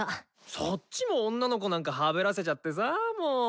そっちも女の子なんかはべらせちゃってさも。